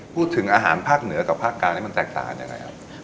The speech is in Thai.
พูดถึงอาหารภาคเหนือกับภาคกลางนี่มันแตกต่างยังไงครับ